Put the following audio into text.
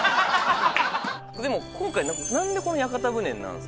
でも今回何でこの屋形船なんですか？